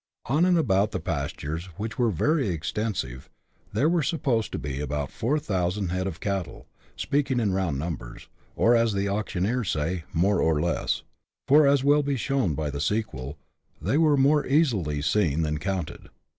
On and about the pastures, which were very extensive, there were supposed to be about 4000 head of cattle, speaking in round numbers, or, as the auctioneers say, " more or less," for, as will be shown by the sequel, they were more easily seen than counted.